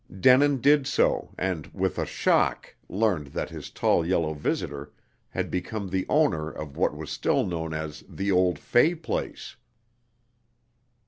Denin did so, and with a shock learned that his tall yellow visitor had become the owner of what was still known as "the old Fay place."